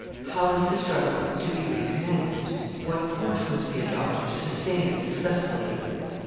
How was the struggle to be recommenced? What course must be adopted to sustain it successfully?